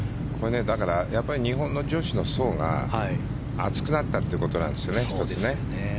だから、日本の女子の層が厚くなったということなんですよね。